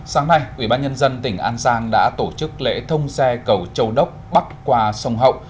sáng nay ubnd tỉnh an giang đã tổ chức lễ thông xe cầu châu đốc bắt qua sông hậu